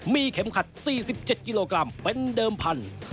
มีเข็มขัด๔๗กิโลกรัมเป็นเดิมพันธุ์